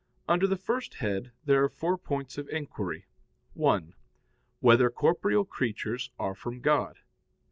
Under the first head there are four points of inquiry: (1) Whether corporeal creatures are from God?